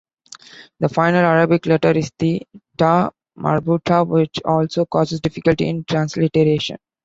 The final Arabic letter is the ta' marbuta, which also causes difficulty in transliteration.